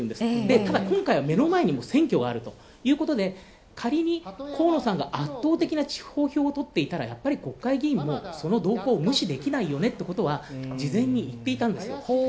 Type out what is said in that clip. ただ、今回は目の前に選挙があるということで、仮に河野さんが圧倒的な地方票を取っていたらやっぱり、国会議員のその動向を無視できないよねということは事前に言っていたんです。